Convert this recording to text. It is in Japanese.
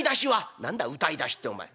「何だ歌いだしってお前。